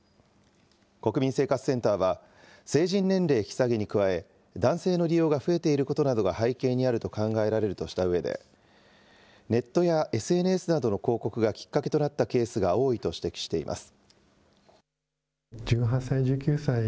国民生活センターは、成人年齢引き下げに加え、男性の利用が増えていることなどが背景にあると考えられるとしたうえで、ネットやＳＮＳなどの広告がきっかけとなったケースが多いと指摘しています。